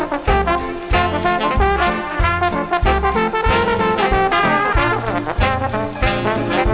สวัสดีครับ